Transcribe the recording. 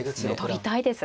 取りたいです。